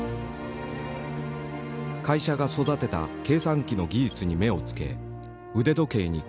会社が育てた計算機の技術に目をつけ腕時計に組み込んだ。